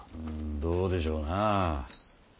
どうでしょうなぁ。